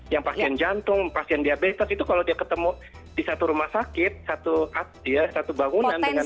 yang pasien jantung pasien diabetes itu kalau dia ketemu di satu rumah sakit satu bangunan